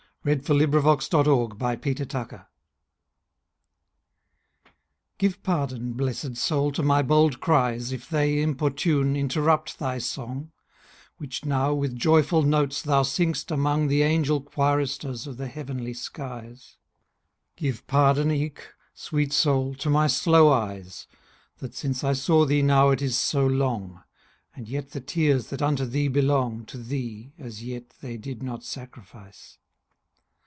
1562?–1613? 110. On the Death of Sir Philip Sidney GIVE pardon, blessèd soul, to my bold cries, If they, importune, interrupt thy song, Which now with joyful notes thou sing'st among The angel quiristers of th' heavenly skies. Give pardon eke, sweet soul, to my slow eyes, 5 That since I saw thee now it is so long, And yet the tears that unto thee belong To thee as yet they did not sacrifice.